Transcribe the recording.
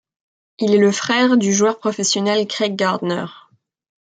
Il est le frère du joueur professionnel Craig Gardner.